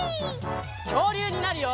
きょうりゅうになるよ！